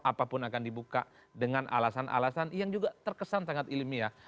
apapun akan dibuka dengan alasan alasan yang juga terkesan sangat ilmiah